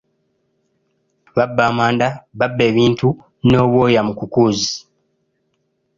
"Babba amanda, babba ebintu n’obwoya mu kukuuzi."